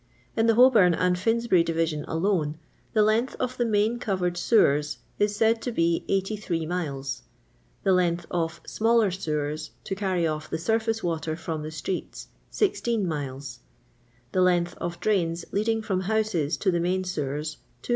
In the Holbom and Pinsbury division alone, the length of the " main covered sewers " is said to be 83 miles ; the length of " smaller sewers '* to carry off the 8ur£fice> water from the streets 16 miles; the length of drains leading irom houses to the main sewers, 264.